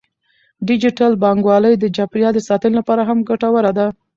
ډیجیټل بانکوالي د چاپیریال ساتنې لپاره هم ګټوره ده.